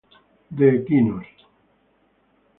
De Equinos.